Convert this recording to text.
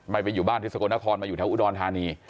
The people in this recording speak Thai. ไปอยู่บ้านที่สกลนครมาอยู่แถวอุดรธานี